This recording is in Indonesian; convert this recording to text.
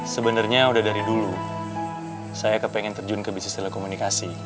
sebenarnya udah dari dulu saya kepengen terjun ke bisnis telekomunikasi